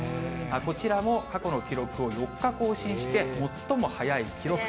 こちらも過去の記録を４日更新して、最も早い記録。